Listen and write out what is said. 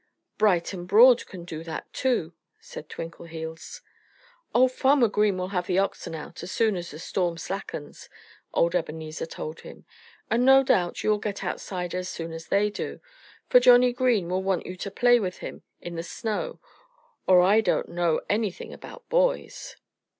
Bright and Broad can do that, too," said Twinkleheels. "Oh! Farmer Green will have the oxen out as soon as the storm slackens," old Ebenezer told him. "And no doubt you'll get outside as soon as they do, for Johnnie Green will want you to play with him in the snow or I don't know anything about boys."